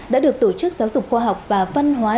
đã được tổ chức giáo dục khoa học và văn hóa